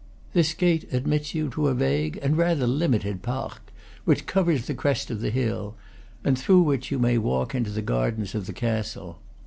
This gate admits you to a vague and rather limited parc, which covers the crest of the hill, and through which you may walk into the gardens of castle.